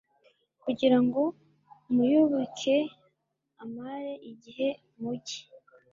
Kugira ngo muyabike amare igihe, mujye